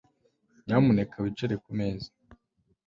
Nyamuneka wicare kumeza